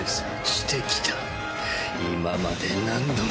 してきた今まで何度も。